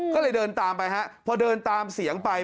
ก็เลยเดินตามไปฮะพอเดินตามเสียงไป